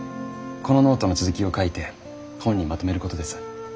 このノートの続きを書いて本にまとめることです。